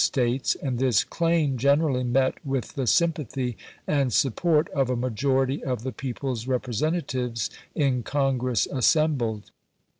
States, and this claim generally met with the sym pathy and support of a majority of the people's representatives in Congress assembled.